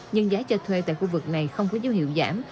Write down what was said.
nhưng giá cho thuê tại khu vực này không có dấu hiệu giảm